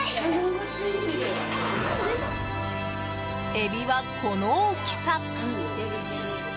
エビは、この大きさ。